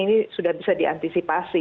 ini sudah bisa diantisipasi